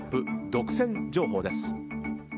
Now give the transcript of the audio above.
独占情報です。